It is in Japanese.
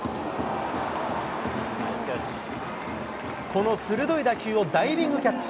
この鋭い打球をダイビングキャッチ。